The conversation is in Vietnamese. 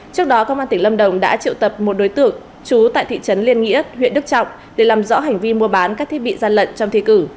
trước đó công an tỉnh lâm đồng đã triệu tập một đối tượng trú tại thị trấn liên nghĩa huyện đức trọng để làm rõ hành vi mua bán các thiết bị gian lận trong thi cử